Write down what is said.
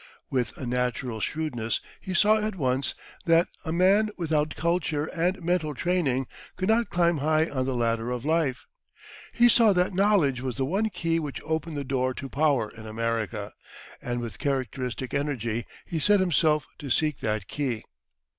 With a natural shrewdness, he saw at once that a man without culture and mental training could not climb high on the ladder of life. He saw that knowledge was the one key which opened the door to power in America, and with characteristic energy he set himself to seek that key.